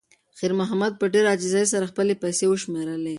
خیر محمد په ډېرې عاجزۍ سره خپلې پیسې وشمېرلې.